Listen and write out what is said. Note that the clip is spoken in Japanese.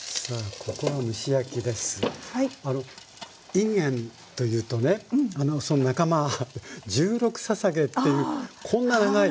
いんげんというとねその仲間十六ささげっていうこんな長い。